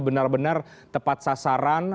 benar benar tepat sasaran